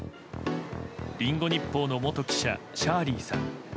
リンゴ日報の元記者シャーリーさん。